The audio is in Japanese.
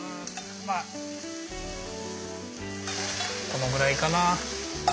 このぐらいかな。